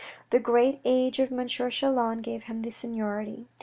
The great age of M. Chelan gave him the seniority.